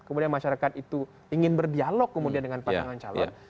kemudian masyarakat itu ingin berdialog kemudian dengan pasangan calon